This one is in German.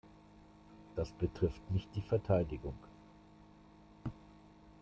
Das betrifft nicht die Verteidigung.